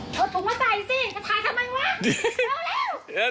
โอ้ถุงมาใส่ซิถ่ายทำไมวะเร็ว